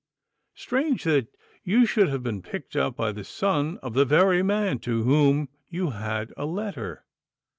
'Strange that you should have been picked up by the son of the very man to whom you had a letter.